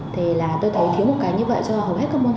thế là tôi thấy thiếu một cái như vậy cho hầu hết các môn học